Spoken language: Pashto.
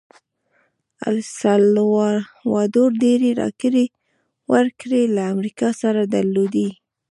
السلوادور ډېرې راکړې ورکړې له امریکا سره درلودې.